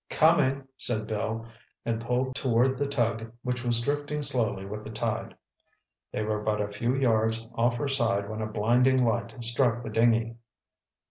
"Coming!" said Bill, and pulled toward the tug which was drifting slowly with the tide. They were but a few yards off her side when a blinding light struck the dinghy.